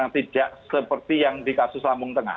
tidak seperti yang di kasus lambung tengah